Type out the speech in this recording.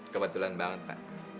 kebetulan banget pak